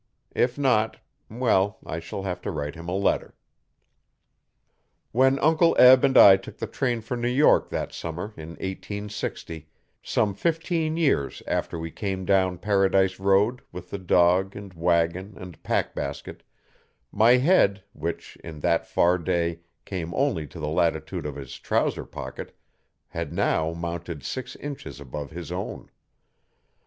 If not well, I shall have to write him a letter. When Uncle Eb and I took the train for New York that summer day in 1860, some fifteen years after we came down Paradise Road with the dog and wagon and pack basket, my head, which, in that far day, came only to the latitude of his trouser pocket, had now mounted six inches above his own.